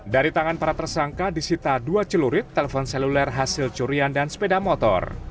dari tangan para tersangka disita dua celurit telepon seluler hasil curian dan sepeda motor